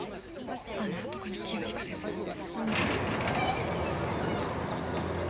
あんな男に気を引かれるなんて。